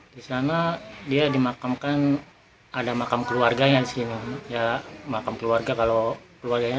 di sana dia dimakamkan ada makam keluarganya sih ya makam keluarga kalau keluarganya